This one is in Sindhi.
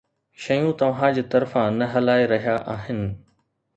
شيون توهان جي طرفان نه هلائي رهيا آهن.